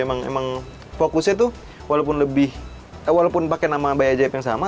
emang fokusnya tuh walaupun lebih eh walaupun pake nama bayi ajaib yang sama